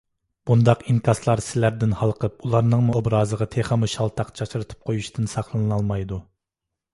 بۇنداق ئىنكاسلار سىلەردىن ھالقىپ ئۇلارنىڭمۇ ئوبرازىغا تېخىمۇ شالتاق چاچرىتىپ قويۇشتىن ساقلىنالمايدۇ.